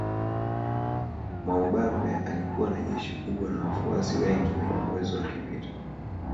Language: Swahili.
Mwamubambe alikuwa na jeshi kubwa na wafuasi wengi wenye uwezo wa vita